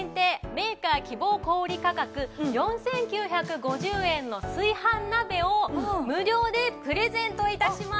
メーカー希望小売価格４９５０円の炊飯鍋を無料でプレゼント致します。